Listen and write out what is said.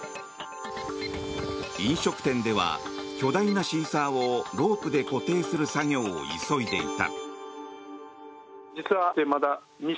飲食店では巨大なシーサーをロープで固定する作業を急いでいた。